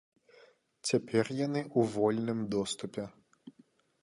Цяпер яны ў вольным доступе.